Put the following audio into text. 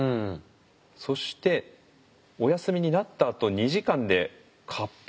そしてお休みになったあと２時間でカップ麺。